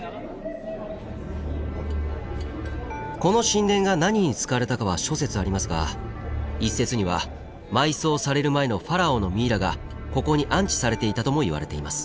この神殿が何に使われたかは諸説ありますが一説には埋葬される前のファラオのミイラがここに安置されていたともいわれています。